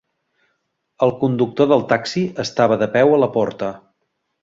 El conductor del taxi estava de peu a la porta.